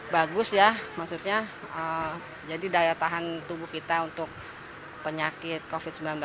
bagus ya maksudnya jadi daya tahan tubuh kita untuk penyakit kopit sembilan belas ini bisa preventif lah